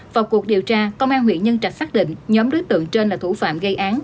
vào cuộc điều tra công an huyện nhân trạch xác định nhóm đối tượng trên là thủ phạm gây án